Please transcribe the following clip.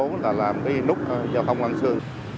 chúng tôi làm cái nút giao thông an sơn